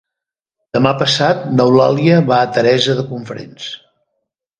Demà passat n'Eulàlia va a Teresa de Cofrents.